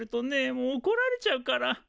もうおこられちゃうから。